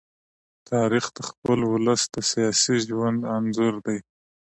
تاریخ د خپل ولس د سیاسي ژوند انځور دی.